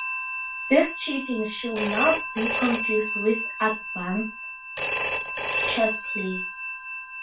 This cheating should not be confused with Advanced Chess play.